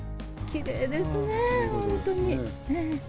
きれいですね、本当に。